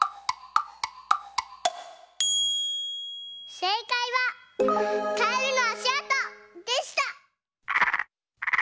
せいかいは「カエルのあしあと」でした！